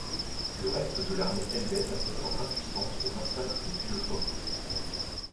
Le reste de l'armée helvète assistant impuissante au massacre depuis l'autre rive.